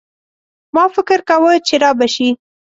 ما فکر کاوه چي رابه شي.